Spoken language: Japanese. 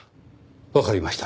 わかりました。